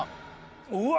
うわ！